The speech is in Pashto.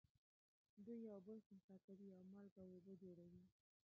دوی یو بل خنثی کوي او مالګه او اوبه جوړوي.